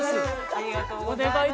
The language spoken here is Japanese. ありがとうございます。